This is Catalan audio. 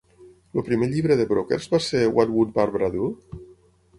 El primer llibre de Brockes va ser What Would Barbra Do?